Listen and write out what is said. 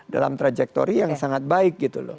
dalam trajektori yang sangat baik gitu loh